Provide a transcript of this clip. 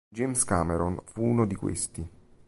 James Cameron, fu uno questi.